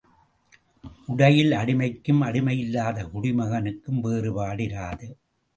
உடையில் அடிமைக்கும் அடிமையில்லாத குடிமகனுக்கும் வேறுபாடு இராது.